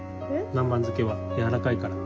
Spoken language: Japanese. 南蛮漬けはやわらかいから。